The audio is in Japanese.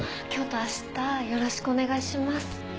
今日と明日よろしくお願いします。